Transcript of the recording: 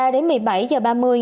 ghi nhận bảy mươi ca tử phong